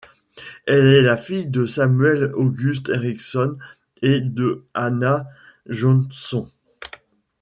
Elle est la fille de Samuel August Ericsson et de Hanna Jonsson.